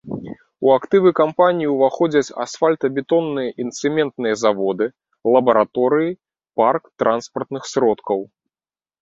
У актывы кампаніі ўваходзяць асфальтабетонныя і цэментныя заводы, лабараторыі, парк транспартных сродкаў.